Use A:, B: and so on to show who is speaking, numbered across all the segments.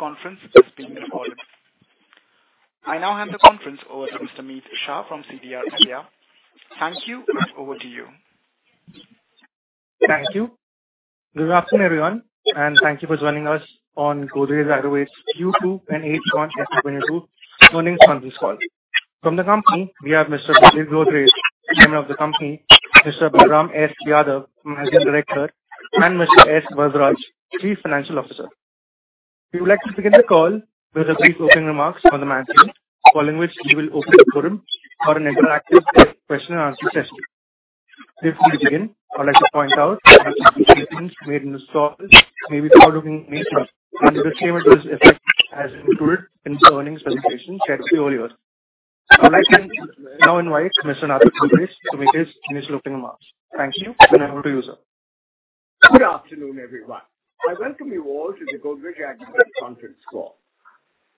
A: Please note that this conference is being recorded. I now hand the conference over to Mr. Mit Shah from CDR India. Thank you, and over to you.
B: Thank you. Good afternoon, everyone, and thank you for joining us on Godrej Agrovet's Q2 and H1 FY 2022 earnings on this call. From the company, we have Mr. Nadir Godrej, Chairman of the company, Mr. Balram S. Yadav, Managing Director, and Mr. S. Varadaraj, Chief Financial Officer. We would like to begin the call with a brief opening remark from the management, following which we will open the forum for an interactive question and answer session. Before we begin, I'd like to point out that certain statements made in this call may be forward-looking nature, and a disclaimer to this effect has been included in earnings presentation shared with you earlier. I would like to now invite Mr. Nadir Godrej to make his initial opening remarks. Thank you, and over to you, sir.
C: Good afternoon, everyone. I welcome you all to the Godrej Agrovet conference call.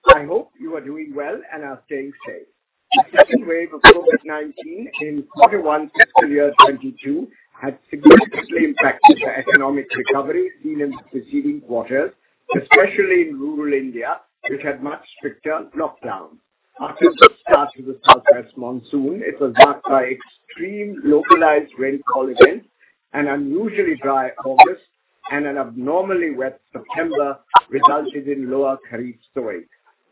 C: I hope you are doing well and are staying safe. The second wave of COVID-19 in quarter 1 fiscal year 2022 had significantly impacted the economic recovery seen in preceding quarters, especially in rural India, which had much stricter lockdowns. After the start of the southwest monsoon, it was marked by extreme localized rainfall events, an unusually dry August, and an abnormally wet September resulted in lower kharif sowing.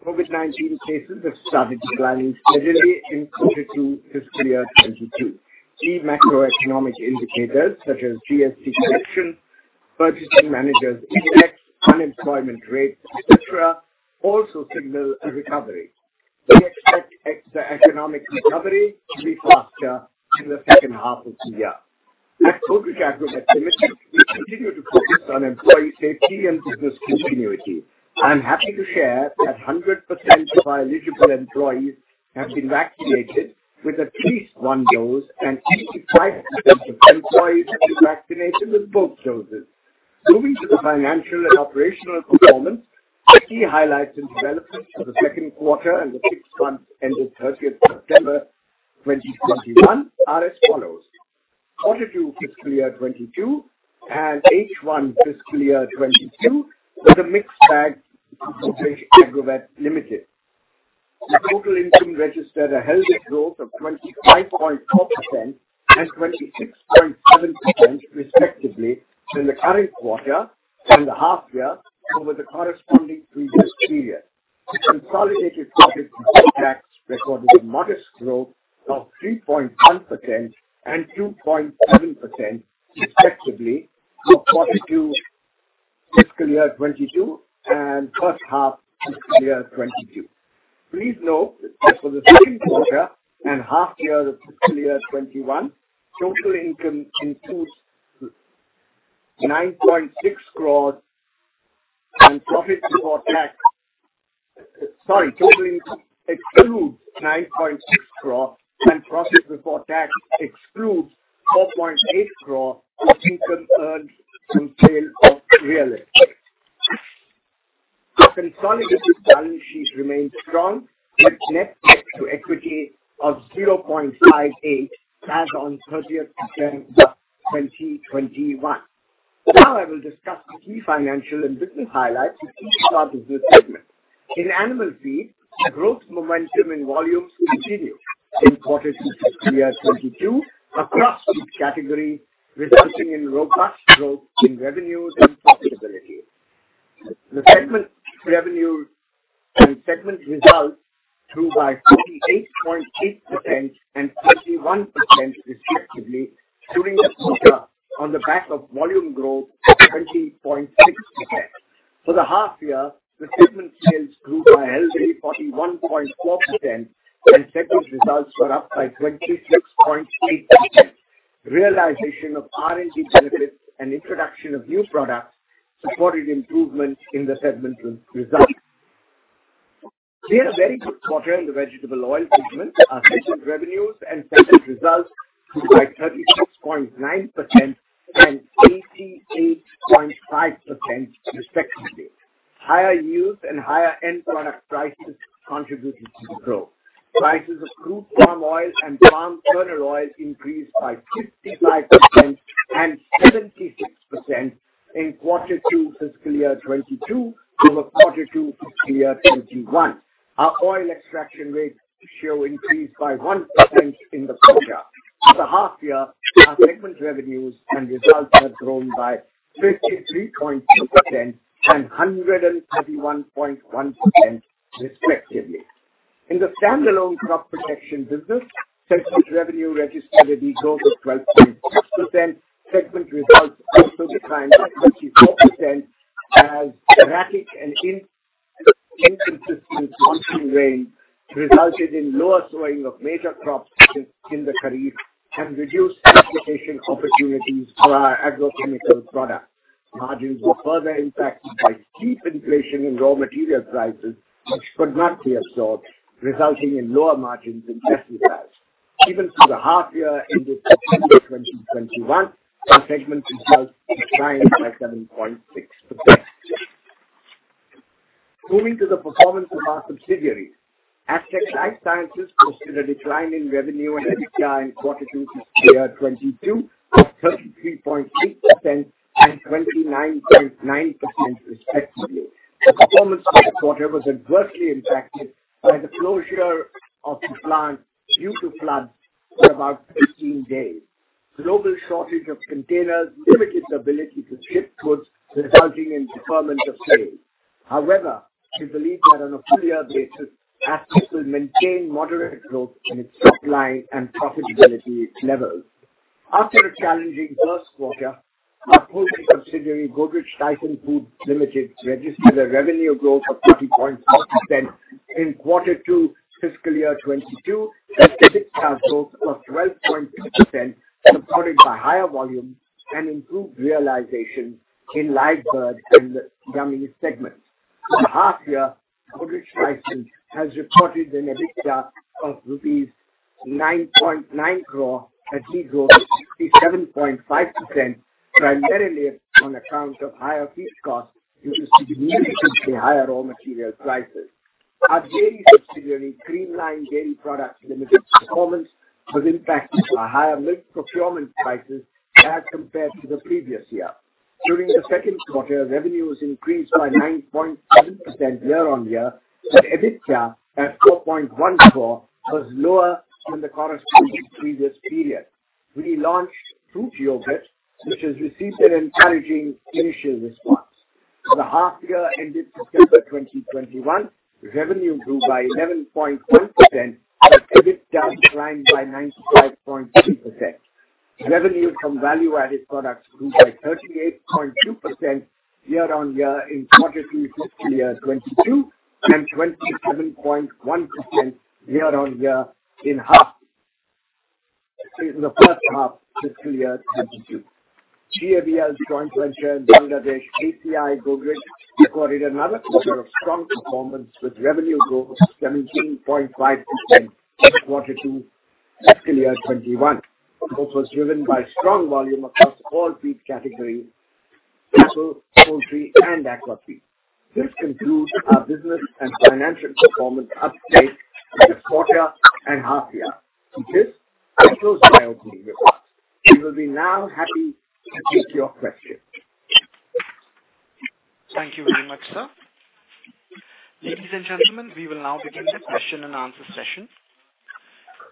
C: COVID-19 cases have started declining steadily in quarter 2 fiscal year 2022. Key macroeconomic indicators such as GST collection, purchasing managers index, unemployment rate, etc., also signal a recovery. We expect the economic recovery to be faster in the second half of the year. At Godrej Agrovet Limited, we continue to focus on employee safety and business continuity. I'm happy to share that 100% of our eligible employees have been vaccinated with at least one dose and 85% of employees have been vaccinated with both doses. Moving to the financial and operational performance, the key highlights and developments for the second quarter and the six months ended 30 September 2021 are as follows. Q2 FY 2022 and H1 FY 2022 were a mixed bag for Godrej Agrovet Limited. The total income registered a healthy growth of 25.4% and 26.7% respectively in the current quarter and the half year over the corresponding previous period. Consolidated profit before tax recorded a modest growth of 3.1% and 2.7% respectively for Q2 FY 2022 and H1 FY 2022. Please note that for the second quarter and half year of fiscal year 2021, total income excludes 9.6 crore and profit before tax excludes 4.8 crore of income earned from sale of real estate. Our consolidated balance sheet remains strong, with net debt to equity of 0.58 as on 30 September 2021. Now I will discuss the key financial and business highlights of key parts of this segment. In animal feed, growth momentum in volumes continued in quarter 2 fiscal year 2022 across each category, resulting in robust growth in revenues and profitability. The segment revenue and segment results grew by 58.8% and 51% respectively during the quarter on the back of volume growth of 20.6%. For the half year, the segment sales grew by a healthy 41.4% and segment results were up by 26.8%. Realization of R&D benefits and introduction of new products supported improvement in the segment results. We had a very good quarter in the vegetable oil segment. Our segment revenues and segment results grew by 36.9% and 88.5% respectively. Higher yields and higher end product prices contributed to the growth. Prices of crude palm oil and palm kernel oil increased by 55% and 76% in quarter 2 fiscal year 2022 over quarter 2 fiscal year 2021. Our oil extraction rates show increase by 1% in the quarter. For the half year, our segment revenues and results have grown by 53.2% and 131.1% respectively. In the standalone Crop Protection Business, segment revenue registered a decline of 12.6%. Segment results also declined by 24% as erratic and inconsistent pre-monsoon rain resulted in lower sowing of major crops during the kharif and reduced application opportunities for our agrochemical products. Margins were further impacted by steep inflation in raw material prices, which could not be absorbed, resulting in lower margins and lesser sales. Even through the half year ended September 2021, our segment results declined by 7.6%. Moving to the performance of our subsidiaries. Astec LifeSciences posted a decline in revenue and EBITDA in quarter 2 fiscal year 2022 of 33.8% and 29.9% respectively. The performance this quarter was adversely impacted by the closure of the plant due to floods for about 15 days. Global shortage of containers limited the ability to ship goods, resulting in deferment of sales. However, we believe that on a full year basis, Astec will maintain moderate growth in its top line and profitability levels. After a challenging first quarter, our poultry subsidiary, Godrej Tyson Foods Limited, registered a revenue growth of 30.4% in quarter 2 fiscal year 2022. EBITDA growth was 12.6%, supported by higher volumes and improved realization in live bird and the drumstick segment. For the half year, Godrej Tyson has reported an EBITDA of rupees 9.9 crore, a huge growth of 67.5%, primarily on account of higher feed cost due to significantly higher raw material prices. Our dairy subsidiary, Creamline Dairy Products Limited, performance was impacted by higher milk procurement prices as compared to the previous year. During the second quarter, revenues increased by 9.7% year-on-year, but EBITDA at 4.1 crore was lower than the corresponding previous period. We launched fruit yogurt, which has received an encouraging initial response. For the half year ended September 2021, revenue grew by 11.2%, but EBITDA declined by 95.3%. Revenue from value-added products grew by 38.2% year-on-year in quarter 2 FY 2022 and 27.1% year-on-year in the first half FY 2022. GAVL's joint venture in Bangladesh, ACI Godrej, recorded another quarter of strong performance with revenue growth 17.5% in quarter 2 FY 2021. Growth was driven by strong volume across all feed categories, cattle, poultry and aqua feed. This concludes our business and financial performance update for the quarter and half year. With this, I close my opening remarks. We will be now happy to take your questions.
A: Thank you very much, sir. Ladies and gentlemen, we will now begin the question-and-answer session.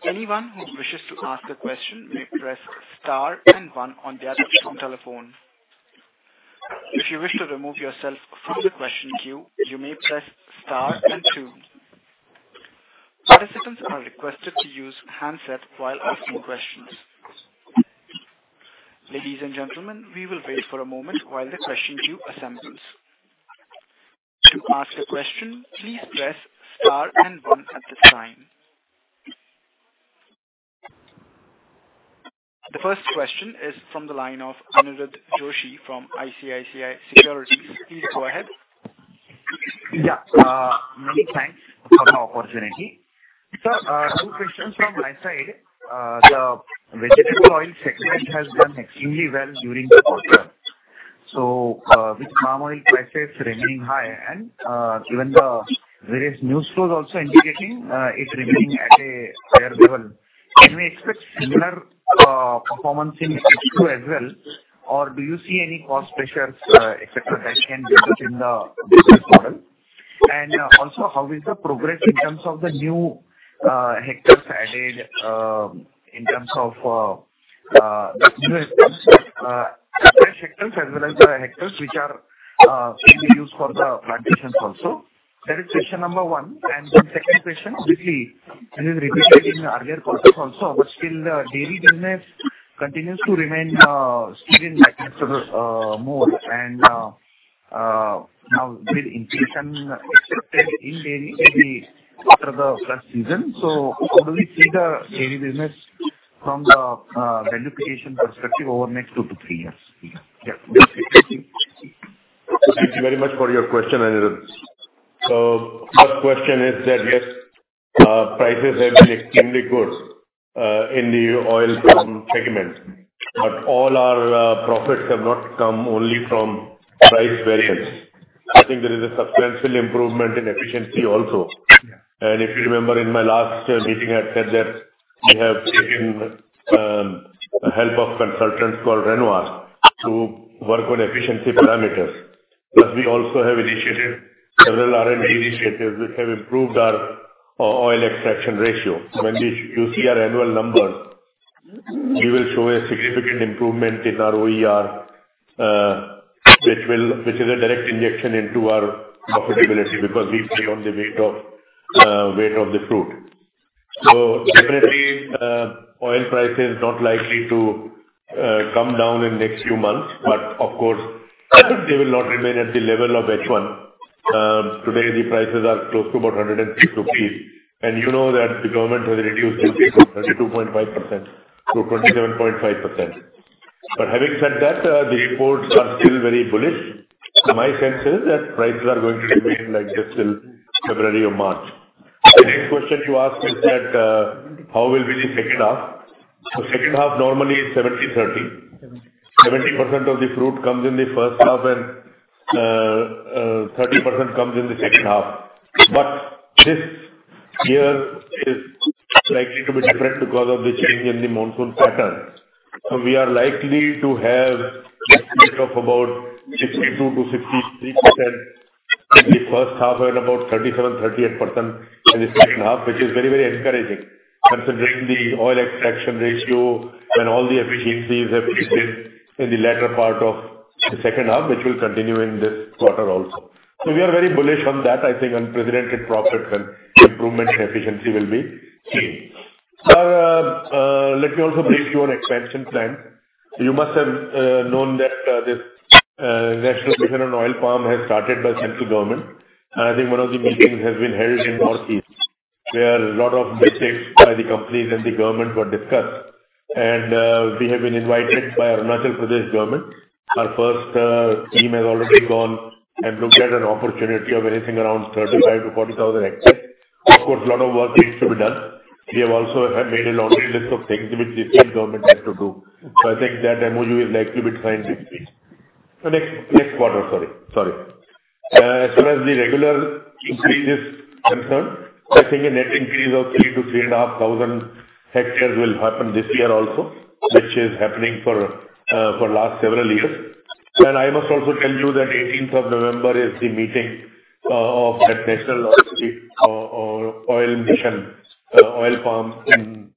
A: Anyone who wishes to ask a question may press star and one on their touchtone telephone. If you wish to remove yourself from the question queue, you may press star and two. Participants are requested to use handset while asking questions. Ladies and gentlemen, we will wait for a moment while the question queue assembles. To ask a question, please press star and one at this time. The first question is from the line of Aniruddha Joshi from ICICI Securities. Please go ahead.
D: Yeah. Many thanks for the opportunity. Sir, two questions from my side. The vegetable oil segment has done extremely well during the quarter. With palm oil prices remaining high and even the various news flows also indicating it's remaining at a higher level, can we expect similar performance in H2 as well, or do you see any cost pressures, et cetera, that can disrupt in the business model? How is the progress in terms of the new hectares added, in terms of the new fresh hectares as well as the hectares which are being used for the plantations also? That is question number one. Then second question, quickly, this is reiterating earlier questions also, but still the dairy business continues to remain still in nascent mode. Now with inflation expected in dairy maybe after the flush season. How do we see the dairy business from the value creation perspective over next two to three years? Yeah.
E: Thank you very much for your question, Aniruddha. First question is that, yes, prices have been extremely good in the oil palm segment, but all our profits have not come only from price variance. I think there is a substantial improvement in efficiency also. If you remember in my last meeting, I said that we have taken help of consultants called Renoir to work on efficiency parameters. Plus we also have initiated several R&D initiatives which have improved our oil extraction ratio. When you see our annual numbers, we will show a significant improvement in our OER, which is a direct injection into our profitability because we pay on the weight of the fruit. Definitely, oil price is not likely to come down in next few months, but of course, I think they will not remain at the level of H1. Today the prices are close to about 106 rupees. You know that the government has reduced duty from 22.5% to 27.5%. Having said that, the imports are still very bullish. My sense is that prices are going to remain like this till February or March. The next question you ask is that, how will be the second half? The second half normally is 70/30. 70% of the fruit comes in the first half and, thirty percent comes in the second half. This year is likely to be different because of the change in the monsoon pattern. We are likely to have a split of about 62%-63% in the first half and about 37%-38% in the second half, which is very, very encouraging considering the oil extraction ratio and all the efficiencies have increased in the latter part of the second half, which will continue in this quarter also. We are very bullish on that. I think unprecedented profit and improvement in efficiency will be seen. Now, let me also brief you on expansion plan. You must have known that this National Mission on Oil Palm has started by central government. I think one of the meetings has been held in Northeast, where a lot of basics by the companies and the government were discussed. We have been invited by Arunachal Pradesh government. Our first team has already gone and looked at an opportunity of anything around 35,000-40,000 hectares. Of course, a lot of work needs to be done. We have also made a laundry list of things which the state government has to do. I think that MOU is likely to be signed this week. Next quarter, sorry. Sorry. As far as the regular increase is concerned, I think a net increase of 3,000-3,500 hectares will happen this year also, which is happening for last several years. I must also tell you that 18th of November is the meeting of that National Mission on Edible Oils – Oil Palm in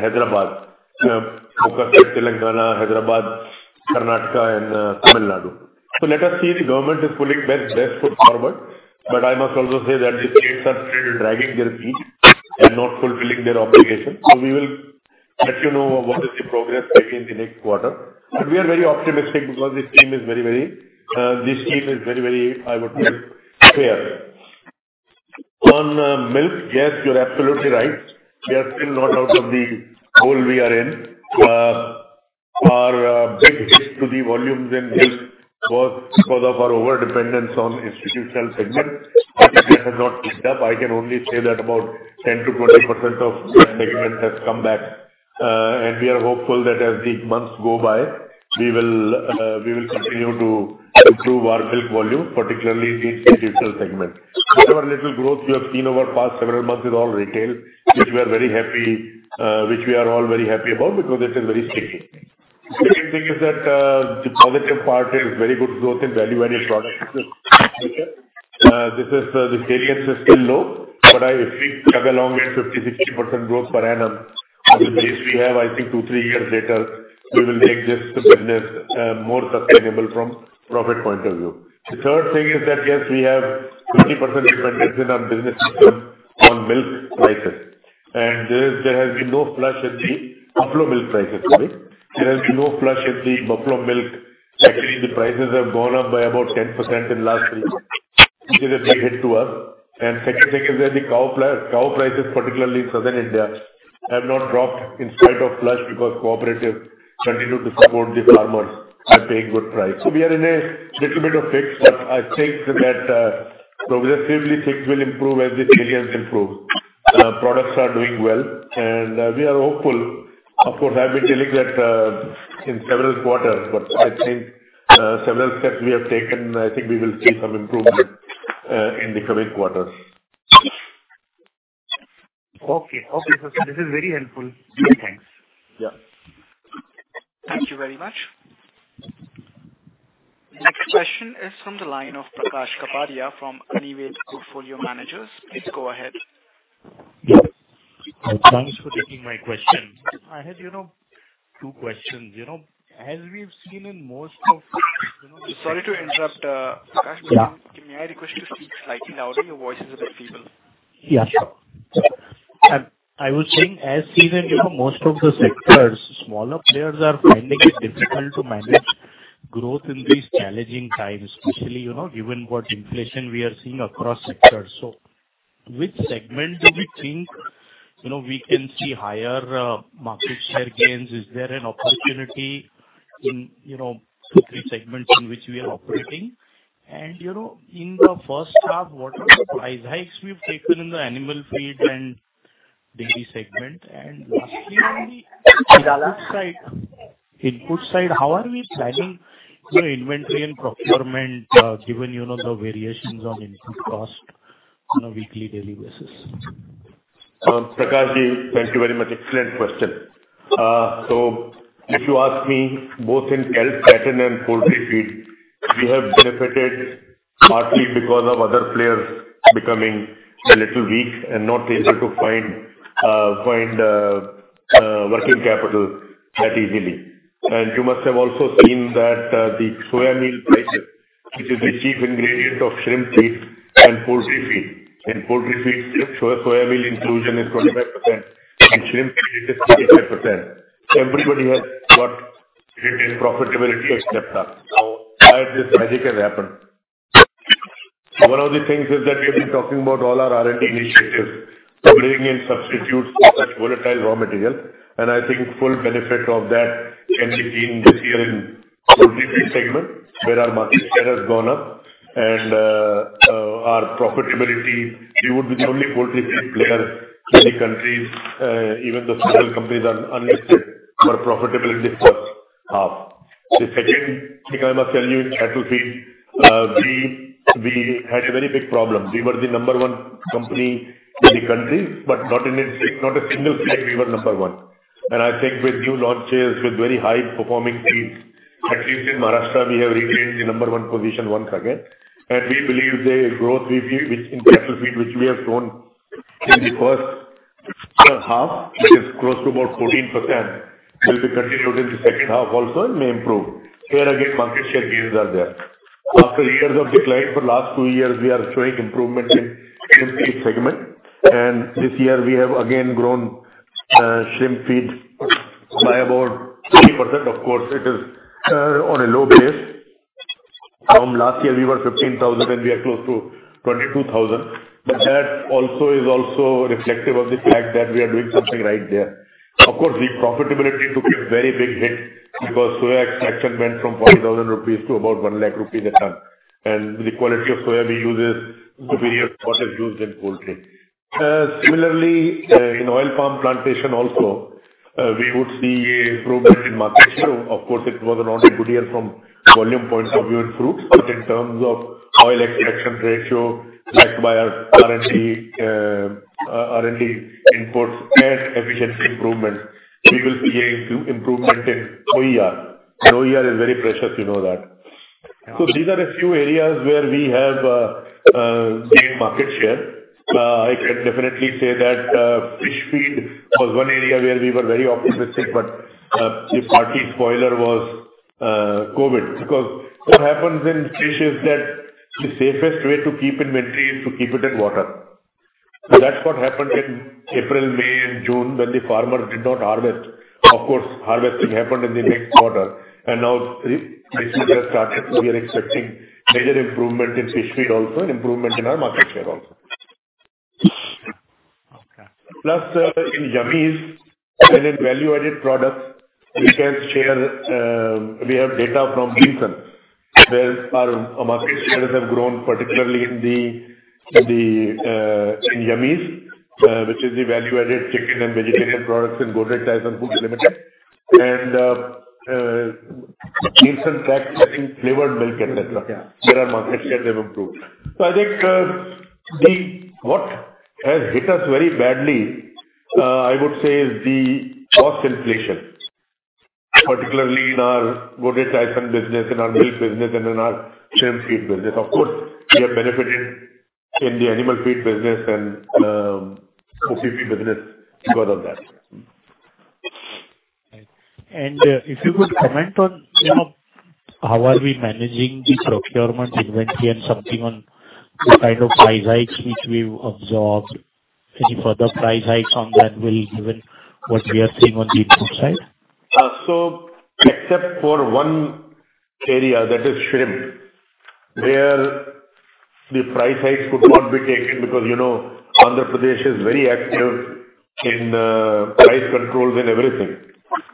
E: Hyderabad, focused at Telangana, Hyderabad, Karnataka and Tamil Nadu. Let us see. The government is putting its best foot forward. I must also say that the states are still dragging their feet and not fulfilling their obligations. We will let you know what is the progress, I think, in next quarter. We are very optimistic because this team is very, I would say, clear. On milk, yes, you're absolutely right. We are still not out of the hole we are in. Our big hit to the volumes in milk was because of our overdependence on institutional segment. It has not picked up. I can only say that about 10%-20% of that segment has come back. We are hopeful that as the months go by, we will continue to improve our milk volume, particularly in the institutional segment. However little growth we have seen over past several months is all retail, which we are all very happy about because it is very sticky. Second thing is that the positive part is very good growth in value-added products. The scale is still low, but if we chug along at 50%-60% growth per annum, I think base we have, I think 2-3 years later, we will make this business more sustainable from profit point of view. The third thing is that, yes, we have 50% dependence in our business system on milk prices. There has been no flush in the buffalo milk. Actually, the prices have gone up by about 10% in last 3 months, which is a big hit to us. Second thing is that the cow prices, particularly in Southern India, have not dropped in spite of flush because cooperatives continue to support the farmers and paying good price. We are in a little bit of fix, but I think that progressively things will improve as the scale gets improved. Products are doing well, and we are hopeful. Of course, I've been telling that in several quarters, but I think several steps we have taken. I think we will see some improvement in the coming quarters.
D: Okay. Okay, sir. This is very helpful. Many thanks.
E: Yeah.
A: Thank you very much. Next question is from the line of Prakash Kapadia from Anived Portfolio Managers. Please go ahead.
E: Yeah.
F: Thanks for taking my question. I had, you know, two questions. You know, as we've seen in most of, you know.
E: Sorry to interrupt, Prakash.
F: Yeah.
E: May I request you to speak slightly louder? Your voice is a bit feeble.
F: Yeah, sure. I was saying, as seen in, you know, most of the sectors, smaller players are finding it difficult to manage growth in these challenging times, especially, you know, given what inflation we are seeing across sectors. Which segment do you think, you know, we can see higher market share gains? Is there an opportunity in, you know, two, three segments in which we are operating? And, you know, in the first half, what are the price hikes we've taken in the animal feed and dairy segment? And lastly, on the input side, how are we planning, you know, inventory and procurement, given, you know, the variations on input cost on a weekly, daily basis?
E: Prakash Ji, thank you very much. Excellent question. If you ask me, both in cattle fattening and poultry feed, we have benefited partly because of other players becoming a little weak and not able to find working capital that easily. You must have also seen that the soya meal prices, which is the chief ingredient of shrimp feed and poultry feed. In poultry feed, soya meal inclusion is 25%. In shrimp feed it is 35%. Everybody has got hit in profitability except us. Now, why this magic has happened? One of the things is that we have been talking about all our R&D initiatives, bringing in substitutes for such volatile raw material, and I think full benefit of that can be seen this year. So in this segment where our market share has gone up and our profitability, we would be the only poultry feed player in the country. Even the several companies are unlisted, our profitability first half. The second thing I must tell you in cattle feed, we had a very big problem. We were the number one company in the country, but not in a single state we were number one. I think with new launches, with very high performing feeds, at least in Maharashtra, we have regained the number one position once again. We believe the growth we feel which in cattle feed, which we have grown in the first half, that is close to about 14% will be continued in the second half also and may improve. Here again, market share gains are there. After years of decline for last two years, we are showing improvement in shrimp feed segment. This year we have again grown shrimp feed by about 30%. Of course, it is on a low base. From last year we were 15,000 and we are close to 22,000. But that is reflective of the fact that we are doing something right there. Of course, the profitability took a very big hit because soya extraction went from 40,000 rupees to about 100,000 rupees a ton. The quality of soya we use is superior to what is used in poultry. Similarly, in oil palm plantation also, we would see an improvement in market share. Of course, it was not a good year from volume point of view of fruits, but in terms of oil extraction ratio helped by our R&D, R&D inputs and efficiency improvements, we will see an improvement in OER. OER is very precious, you know that. These are a few areas where we have gained market share. I can definitely say that fish feed was one area where we were very optimistic, but the party spoiler was COVID, because what happens in fish is that the safest way to keep inventory is to keep it in water. That's what happened in April, May and June when the farmers did not harvest. Of course, harvesting happened in the next quarter. Now restock has started, so we are expecting major improvement in fish feed also and improvement in our market share also.
F: Okay.
E: Plus, in Yummiez and in value-added products, we can share, we have data from Nielsen where our market shares have grown, particularly in Yummiez, which is the value-added chicken and vegetarian products in Godrej Tyson Foods Limited. Creamline's packed drinking flavored milk, et cetera.
F: Yeah.
E: There our market share have improved. I think what has hit us very badly, I would say is the cost inflation, particularly in our Godrej Tyson business, in our milk business and in our shrimp feed business. Of course, we have benefited in the animal feed business and poultry feed business because of that.
F: Right. If you could comment on, you know, how we are managing the procurement inventory and something on the kind of price hikes which we've absorbed. Any further price hikes on that will, given what we are seeing on the input side.
E: Except for one area that is shrimp, where the price hikes could not be taken because, you know, Andhra Pradesh is very active in price controls and everything.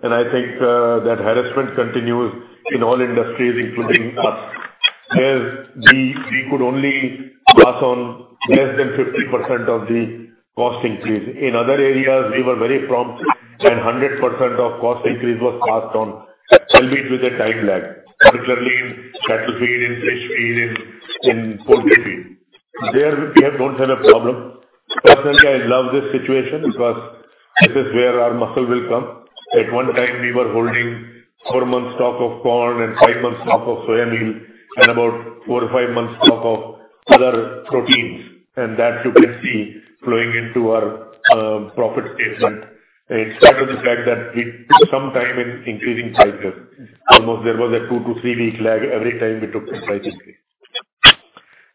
E: I think that harassment continues in all industries, including us, where we could only pass on less than 50% of the cost increase. In other areas, we were very prompt and 100% of cost increase was passed on, albeit with a time lag, particularly in cattle feed, in fish feed, in poultry feed. There we don't have a problem. Personally, I love this situation because this is where our muscle will come. At one time, we were holding four months stock of corn and five months stock of soya meal and about four or five months stock of other proteins. That you can see flowing into our profit statement. In spite of the fact that we took some time in increasing prices. Almost there was a 2- to 3-week lag every time we took some price increase.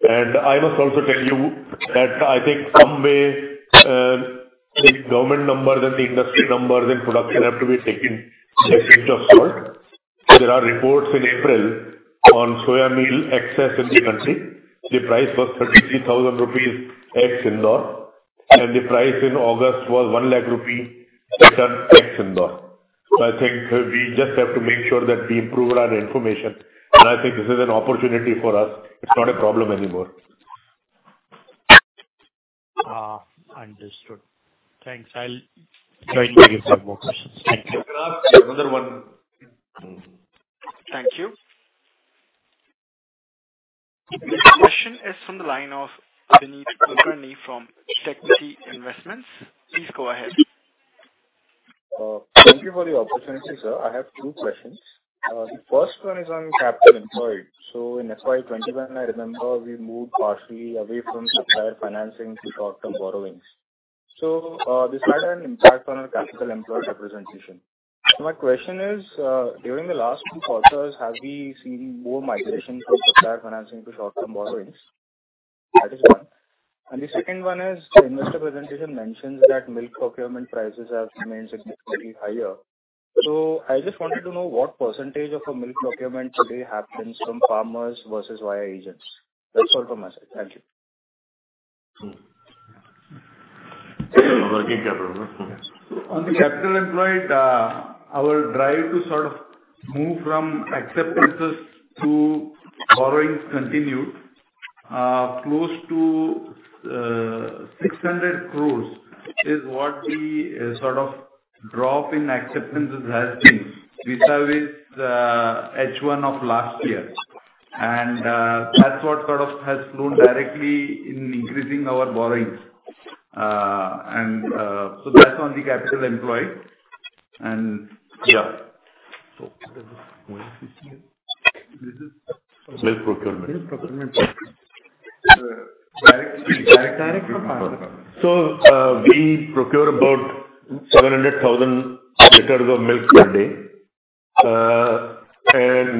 E: I must also tell you that I think somehow, the government numbers and the industry numbers and production have to be taken with a pinch of salt. There are reports in April on soya meal excess in the country. The price was 33,000 rupees ex-Indore, and the price in August was 1 lakh rupee a ton ex-Indore. I think we just have to make sure that we improve our information, and I think this is an opportunity for us. It's not a problem anymore.
F: Understood. Thanks. I'll try and give some more questions. Thank you.
E: You can ask another one.
F: Mm-hmm.
A: Thank you. The next question is from the line of Abhinit Kulkarni from Tequity Investment.Please go ahead.
G: Thank you for the opportunity, sir. I have two questions. The first one is on capital employed. In FY 2021, I remember we moved partially away from supplier financing to short-term borrowings. This had an impact on our capital employed representation. My question is, during the last two quarters, have we seen more migration from supplier financing to short-term borrowings? That is one. The second one is, the investor presentation mentions that milk procurement prices have remained significantly higher. I just wanted to know what percentage of our milk procurement today happens from farmers versus via agents. That's all from my side. Thank you.
H: On the capital employed, our drive to sort of move from acceptances to borrowings continued. Close to 600 crore is what the sort of drop in acceptances has been vis-à-vis H1 of last year. That's what sort of has flowed directly in increasing our borrowings. That's on the capital employed. Yeah. Milk procurement.
E: We procure about 700,000 liters of milk per day.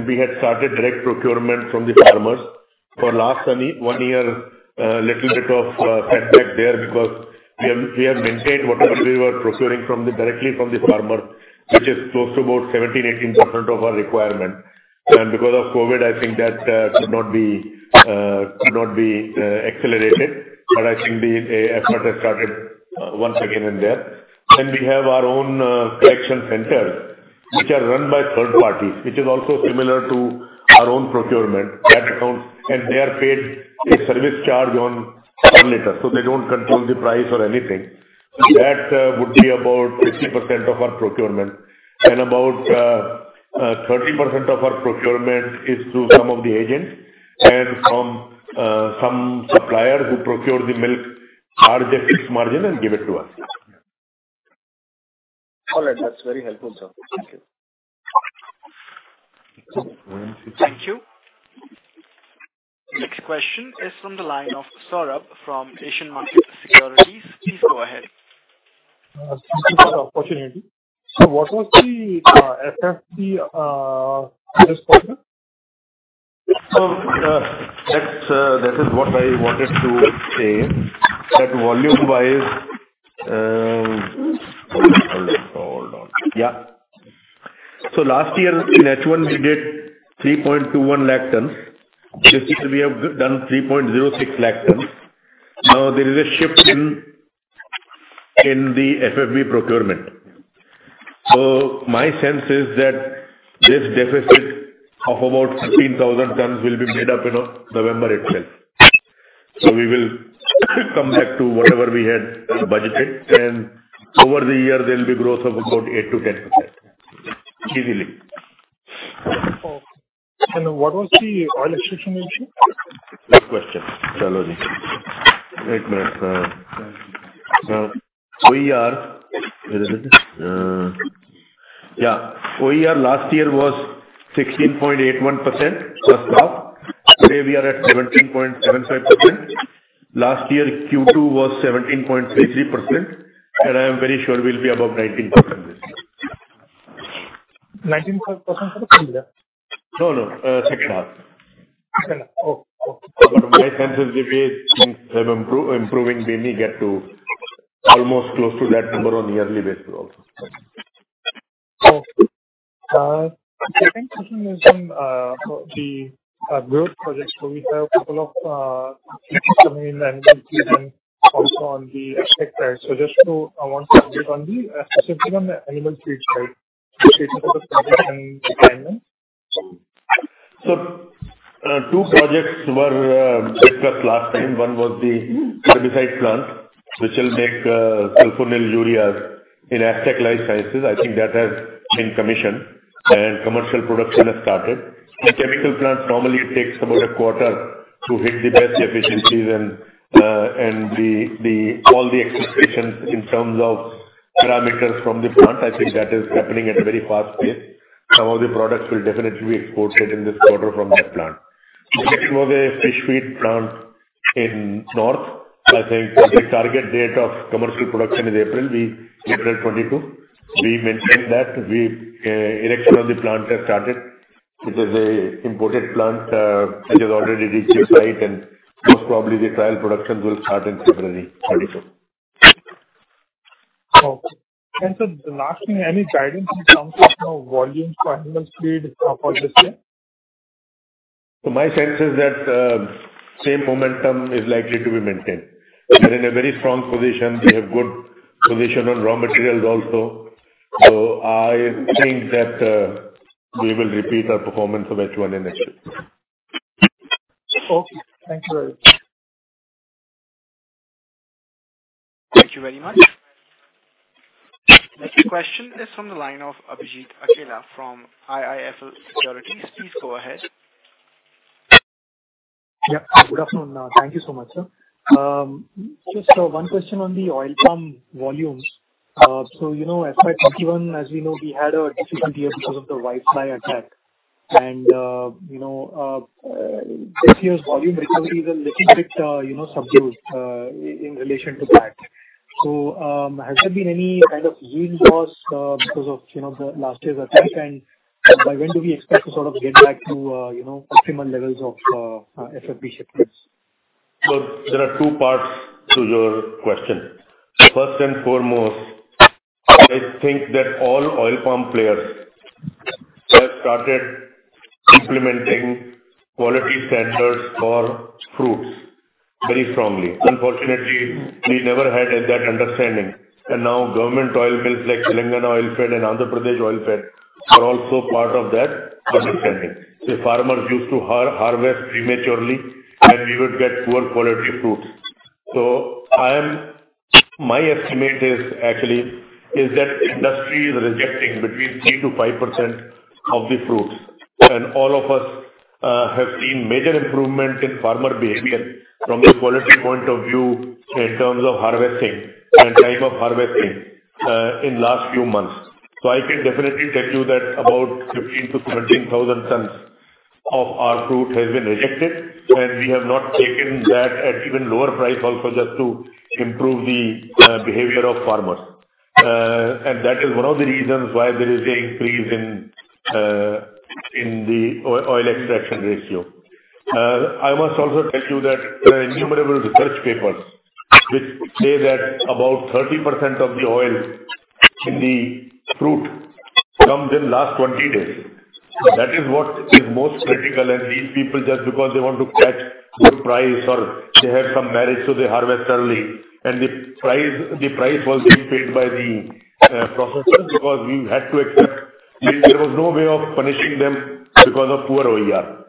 E: We had started direct procurement from the farmers. For last one year, little bit of setback there because we have maintained whatever we were procuring directly from the farmer, which is close to about 17%-18% of our requirement. Because of COVID, I think that could not be accelerated. I think the effort has started once again in there. We have our own collection centers which are run by third parties, which is also similar to our own procurement. They are paid a service charge per liter, so they don't control the price or anything. That would be about 50% of our procurement. About 30% of our procurement is through some of the agents and from some supplier who procure the milk, charge a fixed margin and give it to us.
G: All right. That's very helpful, sir. Thank you.
A: Thank you. Next question is from the line of Saurabh from Asian Markets Securities. Please go ahead.
I: Thank you for the opportunity. What was the FFB this quarter?
E: That is what I wanted to say, that volume-wise.
I: Hold on, hold on.
E: Yeah. Last year in H1 we did 3.21 lakh tons. This year we have done 3.06 lakh tons. Now, there is a shift in the FFB procurement. My sense is that this deficit of about 15,000 tons will be made up in November itself. We will come back to whatever we had budgeted, and over the year there will be growth of about 8%-10%, easily.
I: Okay. What was the oil extraction ratio?
E: Good question. OER last year was 16.81% plus. Today we are at 17.75%. Last year Q2 was 17.33%. I am very sure we'll be above 19% this year.
I: 19%
E: No, no. Six months.
I: Okay.
E: My sense is if we keep improving, we may get to almost close to that number on a yearly basis also.
I: Okay. Second question is on the growth projects. We have couple of coming in animal feed and also on the aspect side. I want to update on the animal feeds side and timeline.
E: Two projects were discussed last time. One was the herbicide plant which will make sulfonylureas in Astec LifeSciences. I think that has been commissioned and commercial production has started. The chemical plant normally takes about a quarter to hit the best efficiencies. All the expectations in terms of parameters from the plant, I think that is happening at a very fast pace. Some of the products will definitely be exported in this quarter from that plant. The next was a fish feed plant in north. I think the target date of commercial production is April 2022. We maintain that. The erection of the plant has started, which is a imported plant, which has already reached the site, and most probably the trial productions will start in February 2022.
I: Okay. Sir, last thing, any guidance in terms of, you know, volumes for animal feed for this year?
E: My sense is that same momentum is likely to be maintained. We're in a very strong position. We have good position on raw materials also. I think that we will repeat our performance of H1 in H2.
I: Okay. Thank you very much.
A: Thank you very much. Next question is from the line of Abhijit Akella from IIFL Securities. Please go ahead.
J: Yeah. Good afternoon. Thank you so much, sir. Just one question on the oil palm volumes. You know, as per 2021, as we know, we had a difficult year because of the whitefly attack. This year's volume recovery is a little bit, you know, subdued in relation to that. Has there been any kind of yield loss because of, you know, the last year's attack? By when do we expect to sort of get back to, you know, optimal levels of FFB shipments?
E: There are two parts to your question. First and foremost, I think that all oil palm players started implementing quality standards for fruits very strongly. Unfortunately, we never had that understanding. Now government oil mills like Telangana Oilfed and Andhra Pradesh Oilfed are also part of that understanding. The farmers used to harvest prematurely, and we would get poor quality fruits. My estimate is actually that industry is rejecting between 3%-5% of the fruits. All of us have seen major improvement in farmer behavior from the quality point of view in terms of harvesting and time of harvesting in last few months. I can definitely tell you that about 15,000-17,000 tons of our fruit has been rejected, and we have not taken that at even lower price also just to improve the behavior of farmers. That is one of the reasons why there is an increase in the oil extraction ratio. I must also tell you that there are innumerable research papers which say that about 30% of the oil in the fruit comes in last 20 days. That is what is most critical. These people, just because they want to catch good price or they have some marriage, so they harvest early. The price was being paid by the processors because we had to accept. There was no way of punishing them because of poor OER.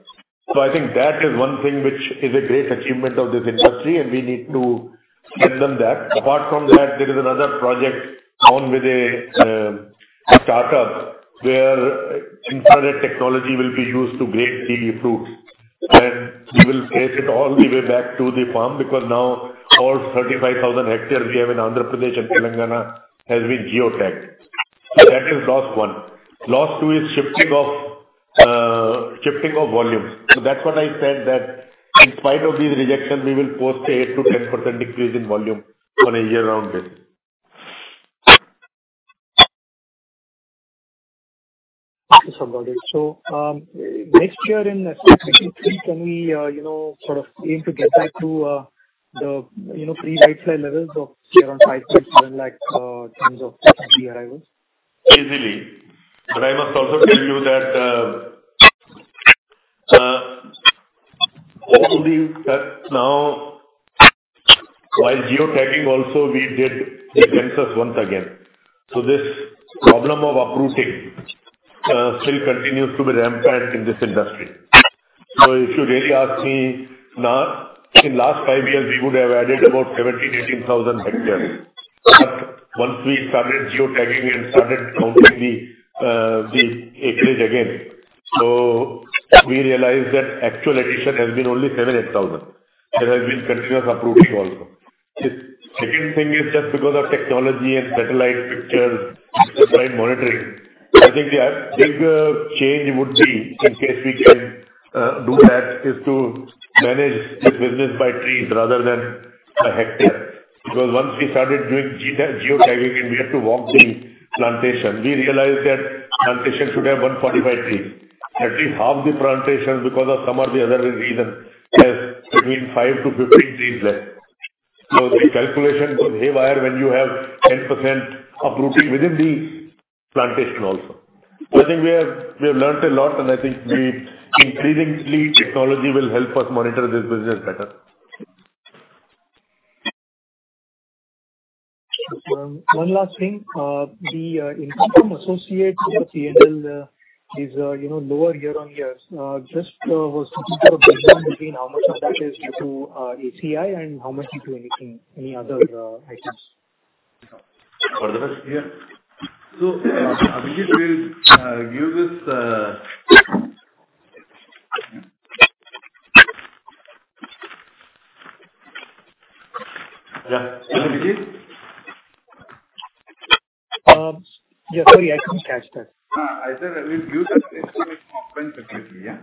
E: I think that is one thing which is a great achievement of this industry, and we need to give them that. Apart from that, there is another project on with a startup where infrared technology will be used to grade the fruit, and we will trace it all the way back to the farm because now all 35,000 hectares we have in Andhra Pradesh and Telangana has been geotagged. That is loss one. Loss two is shifting of volumes. That's what I said, that in spite of these rejections we will post an 8%-10% decrease in volume on a year-on-year basis.
J: Thank you, Balram. Next year in 2023, can we, you know, sort of aim to get back to the, you know, pre-whitefly levels of around 5.7 lakh tons of FFB arrivals?
E: Easily. I must also tell you that all these cuts now while geotagging also we did the census once again. This problem of uprooting still continues to be rampant in this industry. If you really ask me, in last five years we would have added about 17,000-18,000 hectares. Once we started geotagging and started counting the acreage again, we realized that actual addition has been only 7,000-8,000. There has been continuous uprooting also. Second thing is just because of technology and satellite pictures and satellite monitoring, I think the biggest change would be in case we can do that is to manage this business by trees rather than by hectare. Because once we started doing geotagging and we had to walk the plantation, we realized that plantation should have 145 trees. At least half the plantation because of some or the other reason has between 5-15 trees left. The calculation goes haywire when you have 10% uprooting within the plantation also. I think we have learnt a lot and I think increasingly technology will help us monitor this business better.
J: One last thing. The income from associates for P&L is lower year-on-year. Just a breakdown between how much of that is due to ACI and how much due to anything, any other items.
E: For the first year? Abhijit will give this. Yeah. Hello, Abhijit.
J: Yeah, sorry, I didn't catch that.
E: I said we'll give that next week open separately, yeah?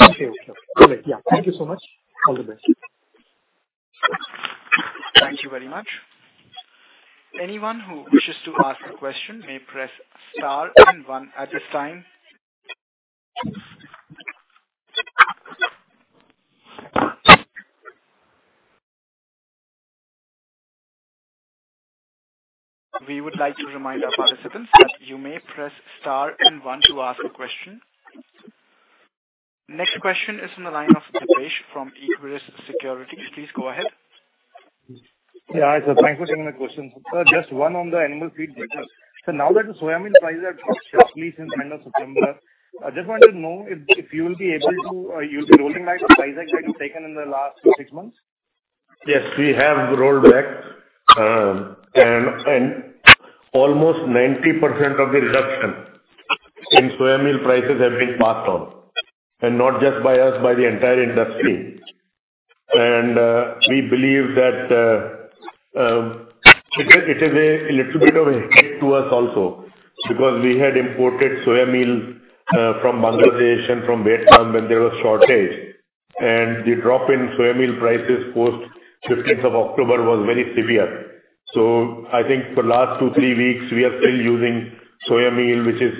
J: Okay. Great. Yeah. Thank you so much. All the best.
A: Thank you very much. Anyone who wishes to ask a question may press star and one at this time. We would like to remind our participants that you may press star and one to ask a question. Next question is on the line of Dipesh from Equirus Securities. Please go ahead.
K: Hi, sir. Thanks for taking the questions. Sir, just one on the animal feed business. Now that the soy meal prices have dropped sharply since end of September, I just wanted to know if you'll be rolling back the price hike that you've taken in the last six months.
E: Yes, we have rolled back. Almost 90% of the reduction in soy meal prices have been passed on, and not just by us, by the entire industry. We believe that it is a little bit of a hit to us also because we had imported soy meal from Bangladesh and from Vietnam when there was shortage. The drop in soy meal prices post 15th of October was very severe. I think for last 2-3 weeks we are still using soy meal which is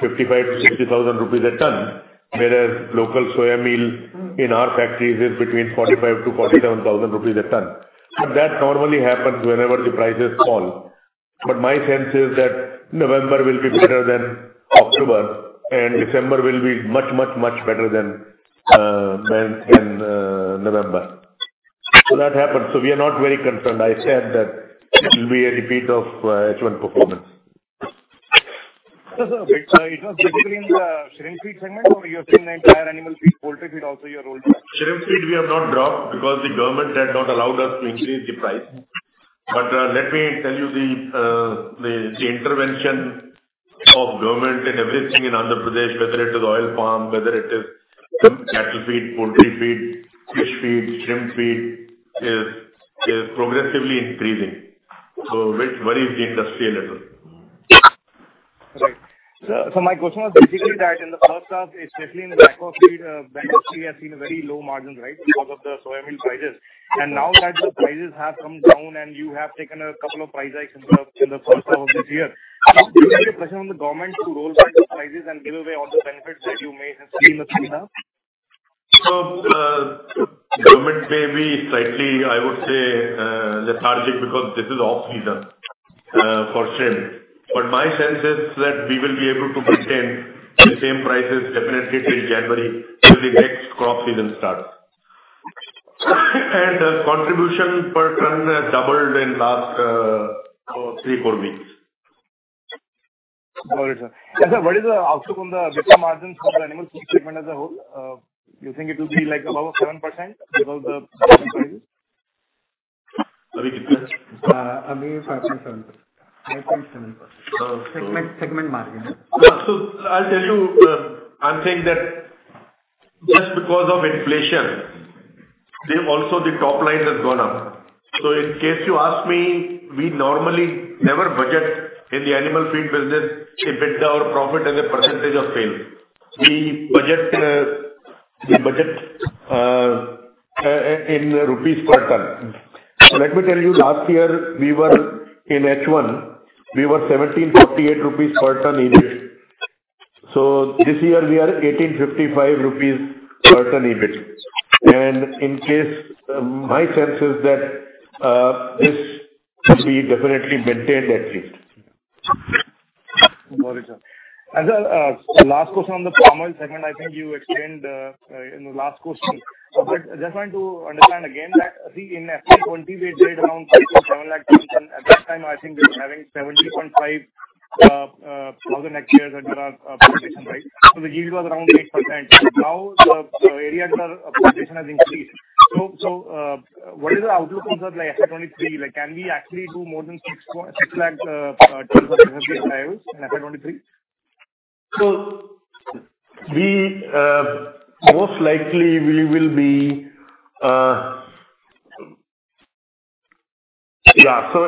E: 55,000-60,000 rupees a ton, whereas local soy meal in our factories is between 45,000-47,000 rupees a ton. That normally happens whenever the prices fall. My sense is that November will be better than October, and December will be much, much, much better than November. That happened. We are not very concerned. I said that it will be a repeat of H1 performance.
K: Sir, it was basically in the shrimp feed segment or you are saying the entire animal feed, poultry feed also you're
E: Shrimp feed we have not dropped because the government had not allowed us to increase the price. Let me tell you the intervention of government in everything in Andhra Pradesh, whether it is oil palm, whether it is cattle feed, poultry feed, fish feed, shrimp feed, is progressively increasing. Which worries the industry a little.
K: Right. Sir, so my question was basically that in the first half, especially in the backdrop of feed,
E: mm-hmm
K: The branded industry has seen very low margins, right? Because of the soybean prices. Now that the prices have come down and you have taken a couple of price hikes in the first half of this year, do you think the pressure on the government to roll back those prices and give away all the benefits that you may have seen this year?
E: The government may be slightly, I would say, lethargic because this is off-season for shrimp. My sense is that we will be able to maintain the same prices definitely till January, till the next crop season starts. The contribution per ton doubled in last three, four weeks.
K: Got it, sir. Sir, what is the outlook on the EBITDA margins for the animal feed segment as a whole? You think it will be like above 7% because of the prices?
E: Sorry, kitna?
K: I mean 5.7%.
E: Oh.
K: Segment, segment margin.
E: I'll tell you, I'm saying that just because of inflation, the top line has also gone up. In case you ask me, we normally never budget in the animal feed business, EBITDA or profit as a percentage of sales. We budget in rupees per ton. Let me tell you, last year in H1, we were 1,748 rupees per ton EBIT. This year we are 1,855 rupees per ton EBIT. In case, my sense is that this should be definitely maintained at least.
K: Got it, sir. Last question on the farmer segment. I think you explained in the last question. I just want to understand again that, see, in FY 2020, we had sold around 5-7 lakh tons, and at that time I think we were having 70,500 acres that you have plantation, right? The yield was around 8%. Now the area under plantation has increased. What is the outlook on the, like, FY 2023? Like, can we actually do more than 6.6 lakh tons of FFB in FY 2023?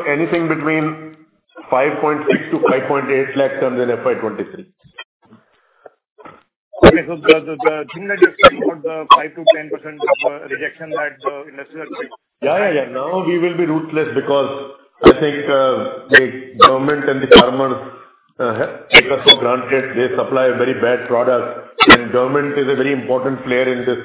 E: Anything between 5.6-5.8 lakh tons in FY 2023.
K: Okay. The thing that you're saying about the 5%-10% of rejection that the industrial-
E: Yeah, yeah. Now we will be ruthless because I think the government and the farmers take us for granted. They supply very bad products. Government is a very important player in this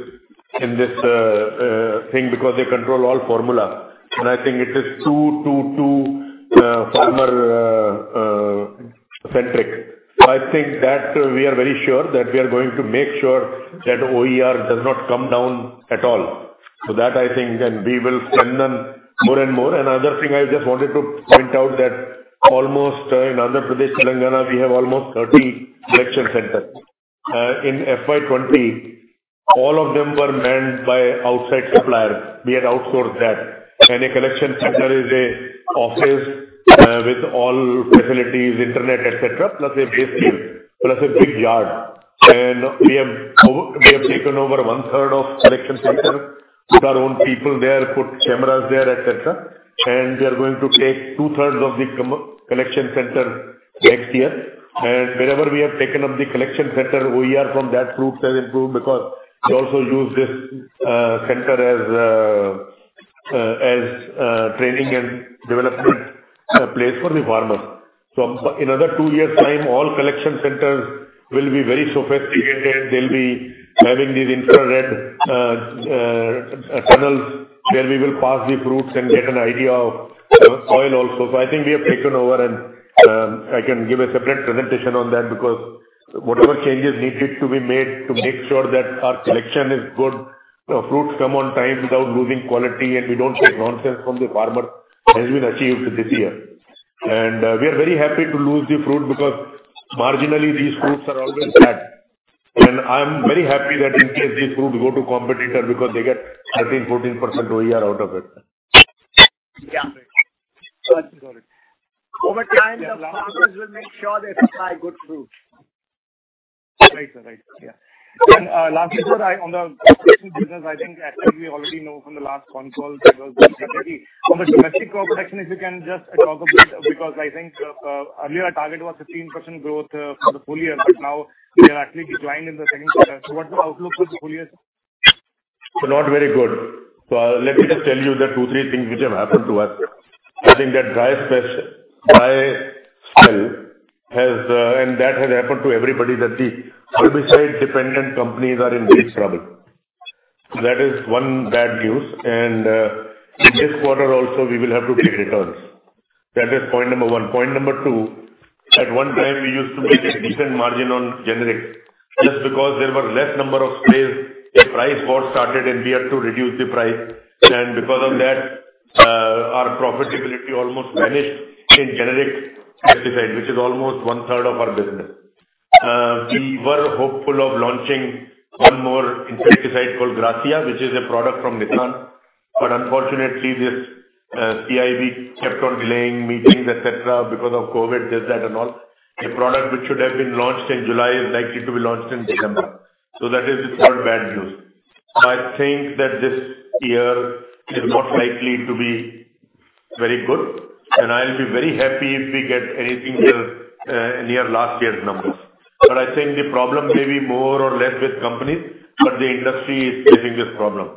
E: thing because they control all formula. I think it is too farmer-centric. I think that we are very sure that we are going to make sure that OER does not come down at all. That I think and we will spend on more and more. Another thing I just wanted to point out that almost in Andhra Pradesh, Telangana, we have almost 30 collection centers. In FY 2020, all of them were manned by outside suppliers. We had outsourced that. A collection center is an office with all facilities, internet, et cetera, plus a base team, plus a big yard. We have taken over one third of collection centers with our own people there, put cameras there, et cetera. We are going to take two thirds of the collection centers next year. Wherever we have taken up the collection center, OER from those fruits has improved because we also use this center as training and development place for the farmers. In another two years' time, all collection centers will be very sophisticated. They'll be having these infrared tunnels where we will pass the fruits and get an idea of oil also. I think we have taken over and I can give a separate presentation on that because whatever changes needed to be made to make sure that our collection is good, fruits come on time without losing quality, and we don't take nonsense from the farmer, has been achieved this year. We are very happy to lose the fruit because marginally these fruits are always bad. I'm very happy that in case these fruits go to competitor because they get 13%-14% OER out of it.
K: Yeah. Got it.
C: Over time, the farmers will make sure they supply good fruits.
K: Right, sir. Right. Yeah. In the last report, on the nutrition business, I think actually we already know from the last conference call that was very secondary. On the domestic raw production, if you can just talk a bit, because I think earlier our target was 15% growth for the full year, but now we have actually declined in the second quarter. What's the outlook for the full year, sir?
E: Not very good. Let me just tell you the two, three things which have happened to us. I think that dry spell has, and that has happened to everybody, that the herbicide dependent companies are in big trouble. That is one bad news. In this quarter also we will have to pay returns. That is point number one. Point number two, at one time we used to make a decent margin on generics. Just because there were less number of players, a price war started and we had to reduce the price. Because of that, our profitability almost vanished in generic insecticide, which is almost 1/3 of our business. We were hopeful of launching one more insecticide called Gracia, which is a product from Nissan. Unfortunately, this CIB kept on delaying meetings, et cetera, because of COVID, this, that and all. A product which should have been launched in July is likely to be launched in December. That is the third bad news. I think that this year is not likely to be very good, and I'll be very happy if we get anything near last year's numbers. The problem may be more or less with companies, but the industry is facing this problem.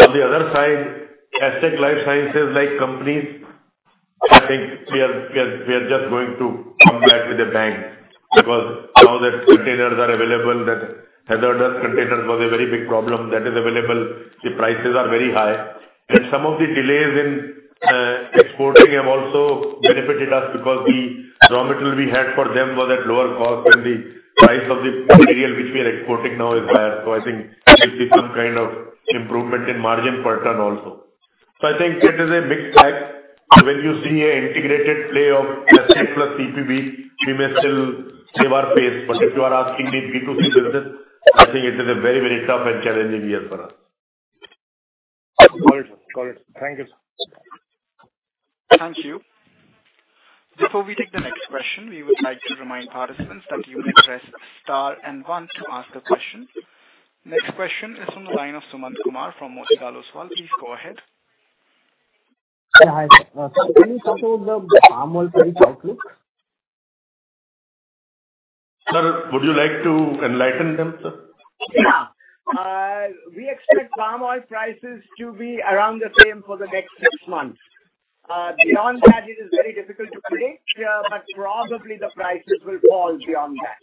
E: On the other side, Astec LifeSciences-like companies, I think we are just going to come back with a bang because now that containers are available, that hazardous containers was a very big problem, that is available. The prices are very high. Some of the delays in exporting have also benefited us because the raw material we had for them was at lower cost and the price of the material which we are exporting now is higher. I think there's been some kind of improvement in margin per ton also. I think it is a mixed bag. When you see an integrated play of Astec plus CPB, we may still save our face. If you are asking the B2C business, I think it is a very, very tough and challenging year for us.
K: Got it. Thank you, sir.
A: Thank you. Before we take the next question, we would like to remind participants that you may press star and one to ask a question. Next question is from the line of Sumant Kumar from Motilal Oswal. Please go ahead.
L: Hi, sir. Can you talk about the palm oil price outlook?
E: Sir, would you like to enlighten them, sir?
C: Yeah. We expect palm oil prices to be around the same for the next six months. Beyond that it is very difficult to predict, but probably the prices will fall beyond that.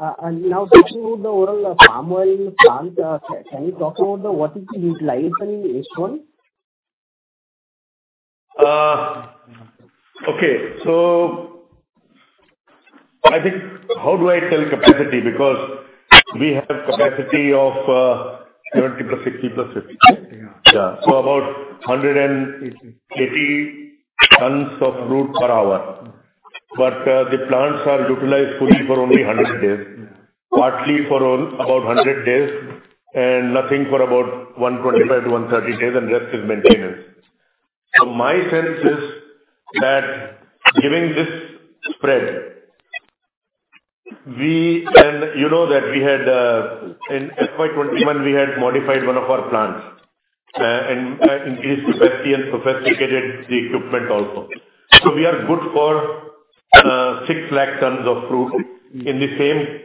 L: Okay. Now talking about the overall palm oil plant, can you talk about the, what is the utilization in H1?
E: I think how do I tell capacity? Because we have capacity of 70 plus 60 plus 50.
C: Yeah.
E: Yeah. About 100 and-
C: Eighty.
E: 80 tons of fruit per hour. The plants are utilized fully for only 100 days.
C: Yeah.
E: Partly for about 100 days, and nothing for about 125-130 days, and rest is maintenance. My sense is that given this spread, you know that we had in FY 2021 we had modified one of our plants, and increased capacity and sophisticated the equipment also. We are good for 6 lakh tons of fruit in the same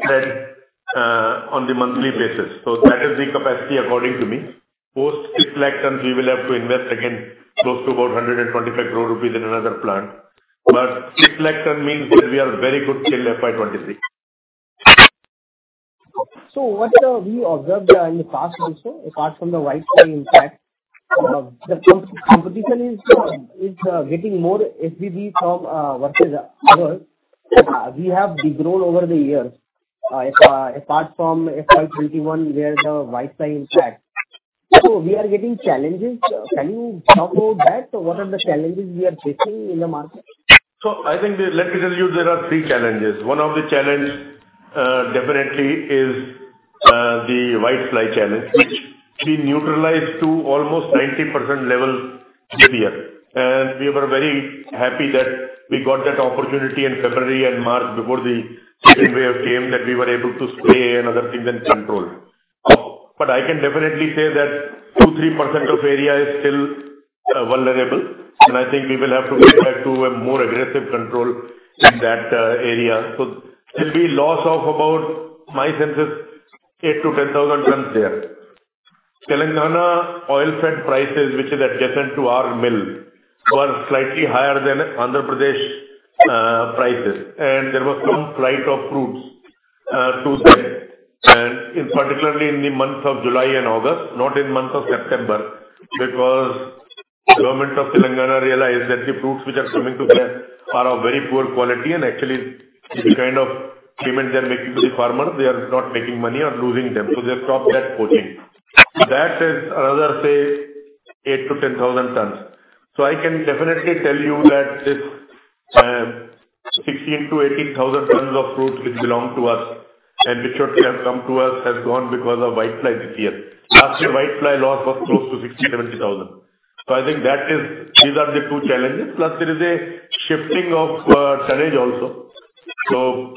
E: spread on the monthly basis. That is the capacity according to me. Post 6 lakh tons we will have to invest again, close to about 125 crore rupees in another plant. Six lakh ton means that we are very good till FY 2023.
L: What we observed in the past also, apart from the whitefly impact, the competition is getting more FFB from us versus others. We have degrown over the years apart from FY 2021, where the whitefly impact. We are getting challenges. Can you talk about that? What are the challenges we are facing in the market?
E: I think. Let me tell you there are three challenges. One of the challenge definitely is the whitefly challenge, which we neutralized to almost 90% level this year. We were very happy that we got that opportunity in February and March, before the second wave came, that we were able to spray and other things and control. I can definitely say that 2-3% of area is still vulnerable, and I think we will have to go back to a more aggressive control in that area. There'll be loss of about, my sense is 8,000-10,000 tons there. Telangana Oilfed prices which is adjacent to our mill were slightly higher than Andhra Pradesh Oilfed prices. There was no flow of fruits to them. In particularly in the months of July and August, not in the month of September, because the government of Telangana realized that the fruits which are coming to them are of very poor quality and actually the kind of payment they're making to the farmers, they are not making money or losing money, so they've stopped that procurement. That is another, say 8,000-10,000 tons. I can definitely tell you that this sixteen to eighteen thousand tons of fruits which belong to us and which should have come to us has gone because of whitefly this year. Last year whitefly loss was close to 60,000-70,000. I think that is these are the two challenges. Plus there is a shifting of tonnage also.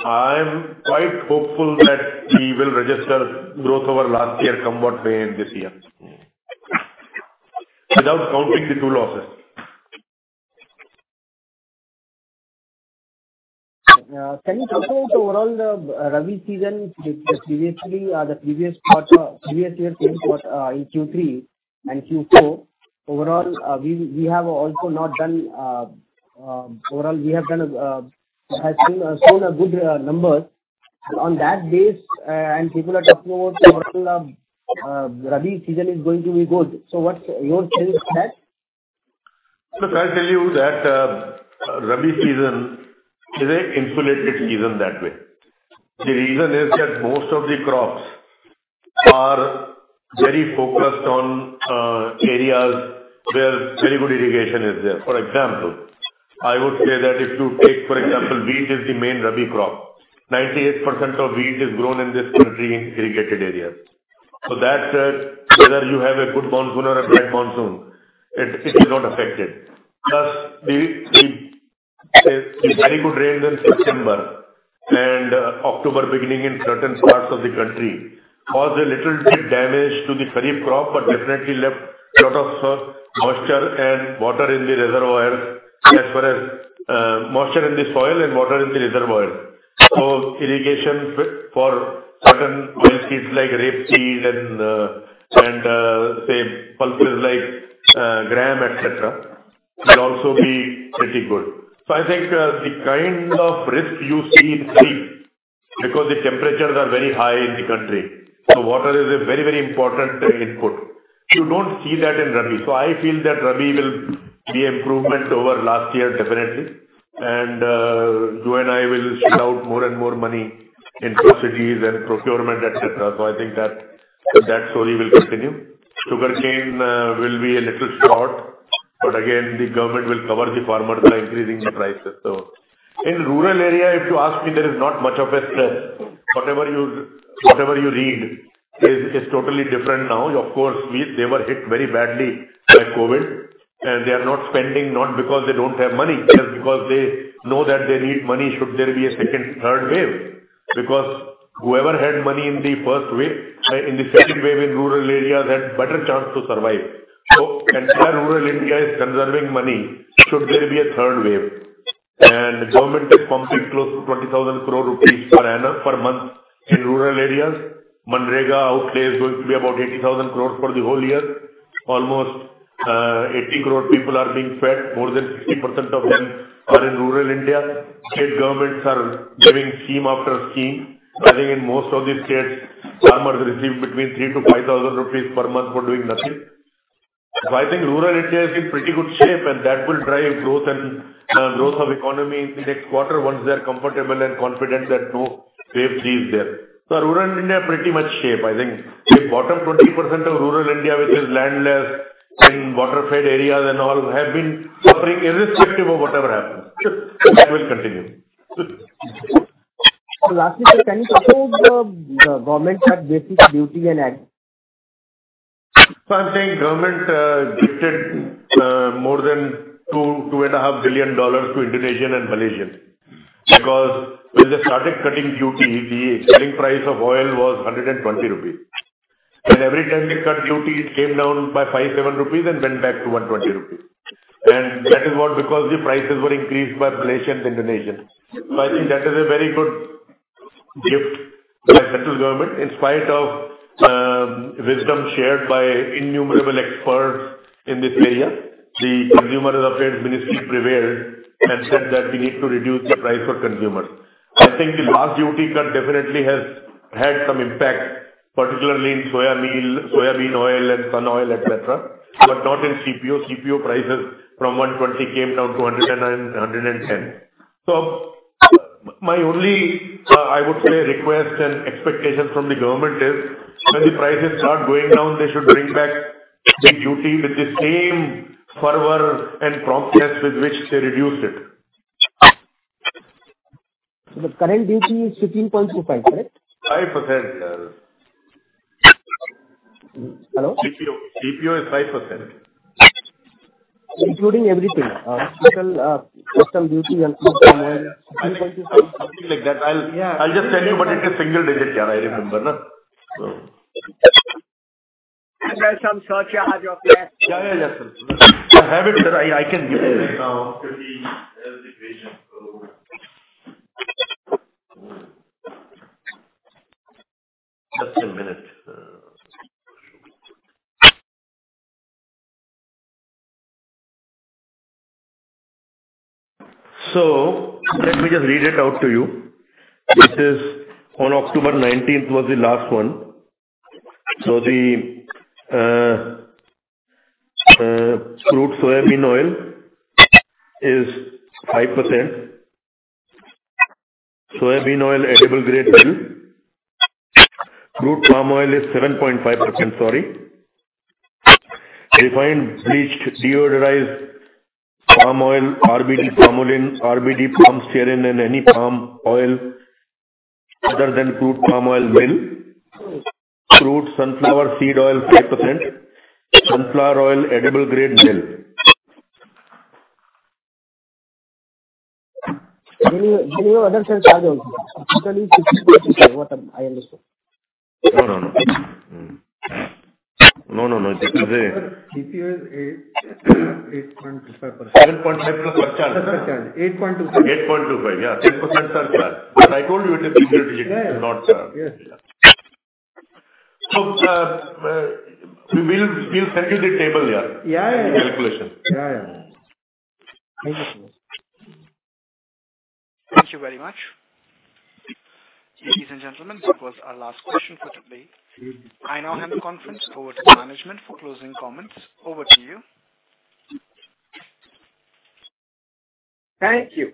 E: I'm quite hopeful that we will register growth over last year come what may in this year. Without counting the two losses.
L: Can you talk about the overall rabi season in the previous year same quarter in Q3 and Q4, which has shown good numbers. On that basis, people are talking about rabi season is going to be good. So what's your take on that?
E: Look, I tell you that rabi season is a insulated season that way. The reason is that most of the crops are very focused on areas where very good irrigation is there. For example, I would say that if you take, for example, wheat is the main rabi crop. 98% of wheat is grown in this country in irrigated areas. So that whether you have a good monsoon or a bad monsoon, it is not affected. Plus the very good rains in September and October beginning in certain parts of the country caused a little bit damage to the kharif crop, but definitely left a lot of moisture and water in the reservoir as well as moisture in the soil and water in the reservoir. Irrigation for certain oilseeds like rapeseed and say pulses like gram, et cetera, will also be pretty good. I think the kind of risk you see in kharif because the temperatures are very high in the country. Water is a very, very important input. You don't see that in rabi. I feel that rabi will be improvement over last year definitely. You and I will shell out more and more money in festivities and procurement, et cetera. I think that story will continue. Sugarcane will be a little short, but again, the government will cover the farmers by increasing the prices. In rural area, if you ask me, there is not much of a stress. Whatever you read is totally different now. Of course, they were hit very badly by COVID. They are not spending, not because they don't have money, just because they know that they need money should there be a second, third wave. Whoever had money in the first wave, in the second wave in rural areas had better chance to survive. Entire rural India is conserving money should there be a third wave. Government is pumping close to 20,000 crore rupees per month in rural areas. MNREGA outlay is going to be about 80,000 crore for the whole year. Almost, 80 crore people are being fed. More than 60% of them are in rural India. State governments are doing scheme after scheme. I think in most of the states, farmers receive between 3,000 and 5,000 rupees per month for doing nothing. I think rural India is in pretty good shape, and that will drive growth and growth of economy in the next quarter once they're comfortable and confident that no wave three is there. Rural India pretty much shape. I think the bottom 20% of rural India, which is landless and water-fed areas and all, have been suffering irrespective of whatever happens. That will continue.
L: Lastly, sir, can you talk about the government cut basic duty and AIDC?
E: I think government gifted more than $2.5 billion to Indonesia and Malaysia. Because when they started cutting duty, the selling price of oil was 120 rupees. Every time they cut duty, it came down by 5-7 rupees and went back to 120 rupees. That is what, because the prices were increased by Malaysia and Indonesia. I think that is a very good gift by central government. In spite of wisdom shared by innumerable experts in this area, the Consumer Affairs Ministry prevailed and said that we need to reduce the price for consumers. I think the last duty cut definitely has had some impact, particularly in soya meal, soybean oil and sunflower oil, et cetera, but not in CPO. CPO prices from 120 came down to 109-110. My only, I would say request and expectation from the government is when the prices start going down, they should bring back the duty with the same fervor and promptness with which they reduced it.
L: The current duty is 15.25, correct?
E: 5%.
L: Hello?
E: CPO is 5%.
L: Including everything. Customs duty and
E: I think something like that. I'll just tell you, but it is single digit, yeah, I remember.
L: There's some research you have your PS.
E: I have it. I can get it now. Just a minute. Let me just read it out to you. This is on October 19 was the last one. Crude soybean oil is 5%. Soybean oil edible grade mill. Crude palm oil is 7.5%. Sorry. Refined, bleached, deodorized palm oil, RBD palm oil, RBD palm stearin, and any palm oil other than crude palm oil mill. Crude sunflower seed oil, 5%. Sunflower oil, edible grade mill.
L: Any other sales are also there. Basically what I understood.
E: No. Because they
H: CPO is 8.25%.
E: 7.5+
H: Plus percent. Eight point two five.
E: 8.25%. Yeah. 10%. I told you it is single digit. It's not...
C: Yes.
E: We'll send you the table, yeah.
H: Yeah, yeah. Calculation. Yeah, yeah.
L: Thank you so much.
A: Thank you very much. Ladies and gentlemen, that was our last question for today. I now hand the conference over to management for closing comments. Over to you.
C: Thank you.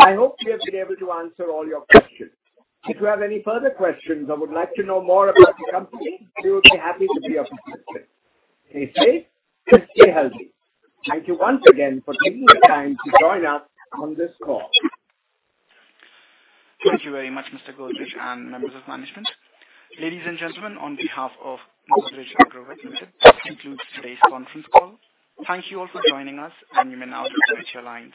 C: I hope we have been able to answer all your questions. If you have any further questions or would like to know more about the company, we would be happy to be of assistance. Stay safe. Stay healthy. Thank you once again for taking the time to join us on this call.
A: Thank you very much, Mr. Godrej, members of management. Ladies and gentlemen, on behalf of Kotak Mahindra Group, this concludes today's conference call. Thank you all for joining us, and you may now disconnect your lines.